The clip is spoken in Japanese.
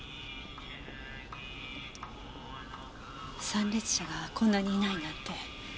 参列者がこんなにいないなんて。